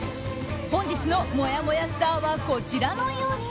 本日のもやもやスターはこちらの４人。